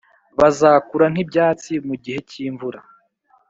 bazakura nk’ibyatsi mu gihe cy’imvura,